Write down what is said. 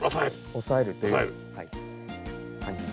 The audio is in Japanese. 押さえるというはい感じで。